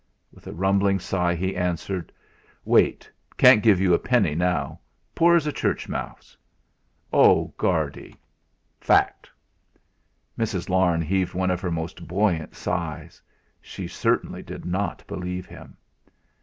With a rumbling sigh he answered: "Wait. Can't give you a penny now. Poor as a church mouse." "Oh! Guardy "Fact." Mrs. Larne heaved one of her most buoyant sighs. She certainly did not believe him.